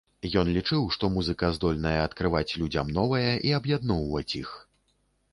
Ён лічыў, што музыка здольная адкрываць людзям новае і аб'ядноўваць іх.